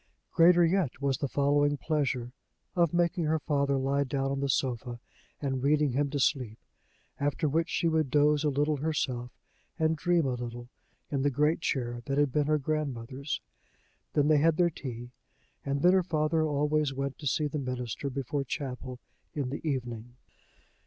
Greater yet was the following pleasure of making her father lie down on the sofa, and reading him to sleep, after which she would doze a little herself, and dream a little, in the great chair that had been her grandmother's. Then they had their tea, and then her father always went to see the minister before chapel in the evening.